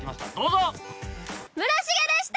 村重でした！